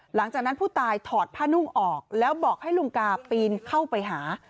หลังจากนั้นผู้ตายถอดผ้านุ่งออกแล้วบอกให้ลุงกาปีนเข้าไปหา